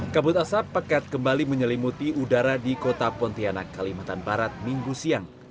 kabut asap pekat kembali menyelimuti udara di kota pontianak kalimantan barat minggu siang